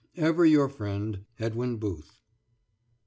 Ever your friend, EDWIN BOOTH.